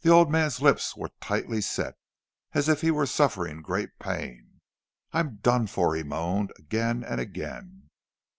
The old man's lips were tightly set, as if he were suffering great pain. "I'm done for!" he moaned, again and again.